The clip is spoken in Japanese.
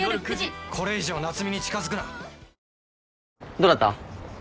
どうだった？